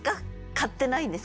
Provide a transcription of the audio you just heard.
買ってないんですか？